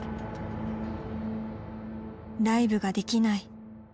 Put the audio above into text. ライブができない。